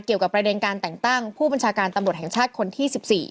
เกี่ยวกับประเด็นการแต่งตั้งผู้บัญชาการตำรวจแห่งชาติคนที่๑๔